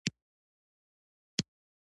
د سپینو زرو زیاتره کانونه په مکسیکو کې دي.